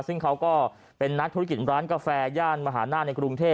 ซึ่งเขาก็เป็นนักธุรกิจร้านกาแฟย่านมหาหน้าในกรุงเทพ